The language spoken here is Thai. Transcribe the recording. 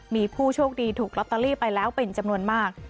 มีผู้โชคดีถูกลอตเตอรี่ไปแล้วเป็นจำนวนมาก